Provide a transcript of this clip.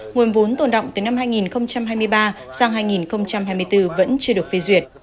nguồn vốn tồn động từ năm hai nghìn hai mươi ba sang hai nghìn hai mươi bốn vẫn chưa được phê duyệt